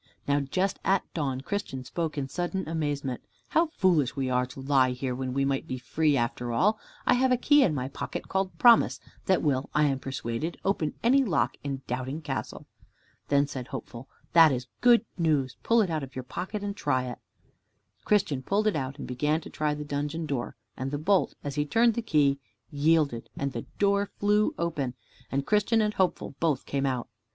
Now just at dawn Christian spoke in sudden amazement. "How foolish we are to lie here, when we might be free after all. I have a key in my pocket called Promise, that will, I am persuaded, open any lock in Doubting Castle." Then said Hopeful, "That is good news, pull it out of your pocket and try." Christian pulled it out and began to try the dungeon door, and the bolt, as he turned the key, yielded, and the door flew open, and Christian and Hopeful both came out.